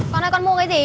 con ơi con mua cái gì